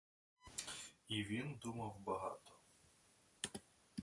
І він думав багато.